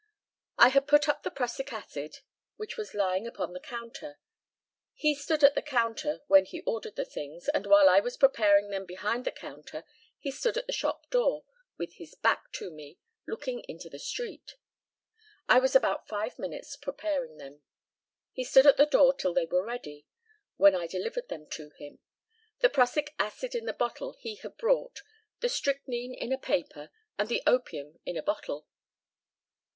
I had put up the prussic acid, which was lying upon the counter. He stood at the counter when he ordered the things, and while I was preparing them behind the counter he stood at the shop door, with his back to me, looking into the street. I was about five minutes preparing them. He stood at the door till they were ready, when I delivered them to him the prussic acid in the bottle he had brought, the strychnine in a paper, and the opium in a bottle.